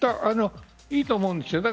いいと思うんです。